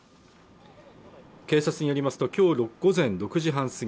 警察によりますときょう午前６時半過ぎ